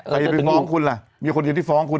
ใครจะไปฟ้องคุณล่ะมีคนอยู่ที่ฟ้องคุณ